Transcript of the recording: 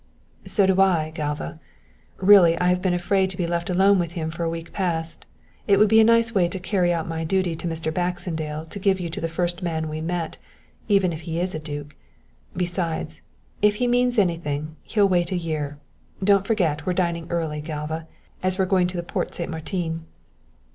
"So I think, Galva. Really I have been afraid to be left alone with him for a week past. It would be a nice way to carry out my duty to Mr. Baxendale to give you to the first man we meet, even if he is a duke. Besides, if he means anything, he'll wait a year, don't forget we're dining early, Galva, as we're going to the Porte Saint Martin."